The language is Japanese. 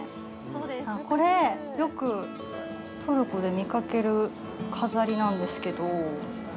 あっ、これ、よくトルコで見かける飾りなんですけど。